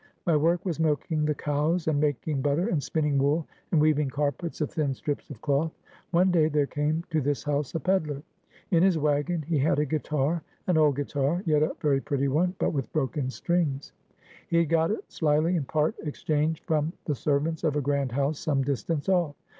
My work was milking the cows, and making butter, and spinning wool, and weaving carpets of thin strips of cloth. One day there came to this house a pedler. In his wagon he had a guitar, an old guitar, yet a very pretty one, but with broken strings. He had got it slyly in part exchange from the servants of a grand house some distance off.